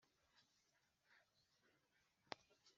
twese twanyuze mubyimbye.